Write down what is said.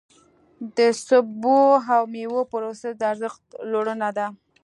د سبو او مېوو پروسس د ارزښت لوړونه ده.